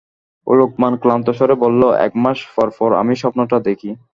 লোকমান ক্লান্ত স্বরে বলল, এক মাস পরপর আমি স্বপ্নটা দেখি।